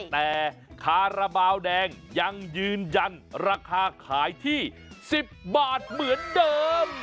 แต่คาราบาลแดงยังยืนยันราคาขายที่๑๐บาทเหมือนเดิม